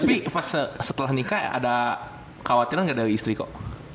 tapi setelah nikah ada khawatiran nggak dari istri kok